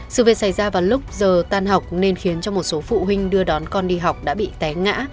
sự việc xảy ra vào lúc giờ tan học nên khiến cho một số phụ huynh đưa đón con đi học đã bị té ngã